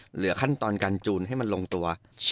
เหลือขั้นตอนการจูนให้มันลงตัว